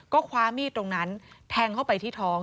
ก็คว้ามีดตรงนั้นแทงเข้าไปที่ท้อง